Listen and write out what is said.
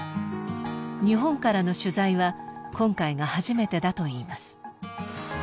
日本からの取材は今回が初めてだといいます。